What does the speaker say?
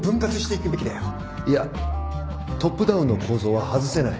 いやトップダウンの構造は外せない